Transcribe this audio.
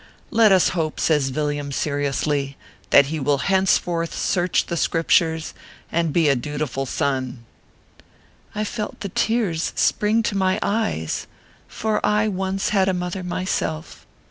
Let us hope/ says Villiam, seriously, " that he will henceforth search the Scriptures, and be a dutiful son." I felt the tears spring to my eyes, for I once had a mother myself.